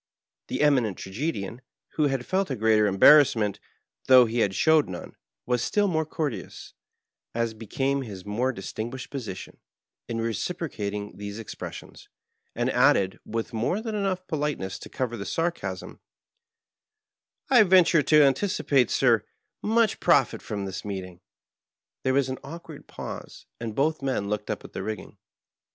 The Eminent Tragedian, who had felt a greater embarrassment, though he had showed none, was still more courteous, as became his more dis tinguished position, in reciprocating these expressions, and added, with more than enough politeness to cover the sarcasm, ^'I venture to anticipate, sir, much profit from this meeting." There was an awkward pause, and both men looked up at the rigging.